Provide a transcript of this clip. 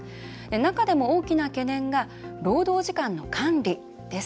中でも大きな懸念が労働時間の管理です。